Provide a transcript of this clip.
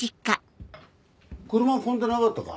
車は混んでなかったか？